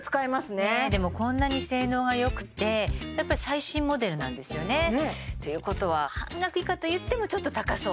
ねっでもこんなに性能が良くてやっぱり最新モデルなんですよねということは半額以下といってもちょっと高そう